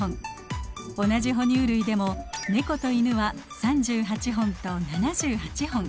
同じ哺乳類でもネコとイヌは３８本と７８本。